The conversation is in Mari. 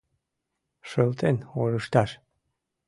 — Шылтен орышташ!